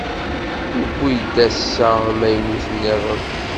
Yewwi-d ass-a amaynut-nniḍen.